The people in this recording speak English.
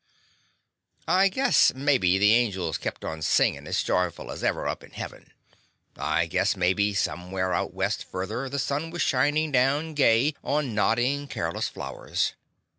I guess, mebby, the angels kept on singin' as joyful as ever up in Hea ven. I guess, mebby, somewhere out west further, the sun was shinin' down gay on noddin', careless flowers.